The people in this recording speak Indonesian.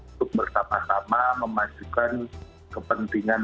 untuk bersama sama memajukan kepentingan